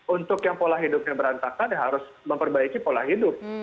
untuk yang pola hidupnya berantakan ya harus memperbaiki pola hidup